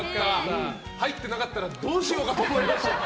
入ってなかったらどうしようかと思いました。